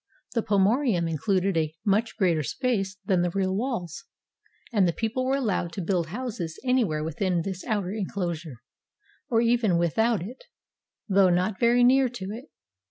The pomoerium included a much greater space than the real walls, and the people were allowed to build houses anywhere within this outer inclosure, or even with out it, though not very near to it.